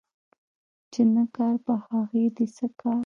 چي نه کار په هغه دي څه کار